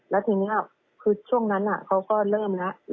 แล้วทีนี้คือช่วงนั้นเขาก็เริ่มแล้ว